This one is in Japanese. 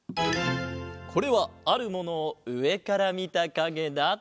これはあるものをうえからみたかげだ。